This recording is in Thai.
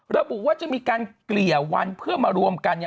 ระบุว่าจะมีการเกลี่ยวันเพื่อมารวมกัน